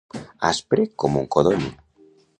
Aspre com un codony.